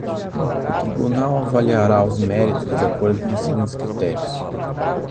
O Tribunal avaliará os méritos de acordo com os seguintes critérios.